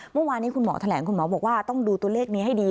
เมื่อวานนี้คุณหมอแถลงคุณหมอบอกว่าต้องดูตัวเลขนี้ให้ดี